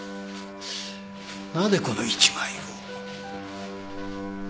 なぜこの一枚を？